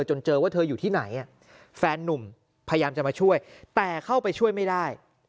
จนเจอว่าเธออยู่ที่ไหนแฟนนุ่มพยายามจะมาช่วยแต่เข้าไปช่วยไม่ได้